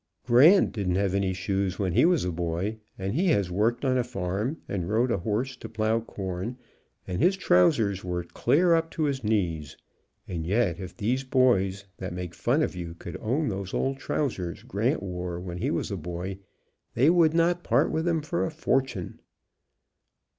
Grant didn't have any shoes when he was a boy, and he has worked on a farm and rode a horse to plow corn, and his 162 THE BAREFOOTED FARMER BOY trousers worked clear up to his knees, and yet if these boys that make fun of you could own those old trousers Grant wore when a boy, they would not part with them for a fortune.